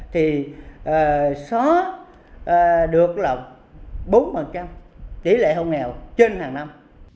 thì xóa được là bốn tỷ lệ hôn nghèo trên hàng năm